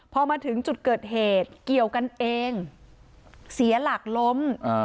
พอมาถึงจุดเกิดเหตุเกี่ยวกันเองเสียหลักล้ม